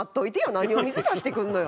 何を水差してくんのよ。